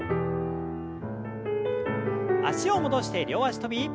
脚を戻して両脚跳び。